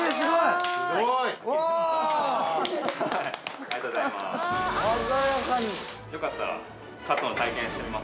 ◆ありがとうございます。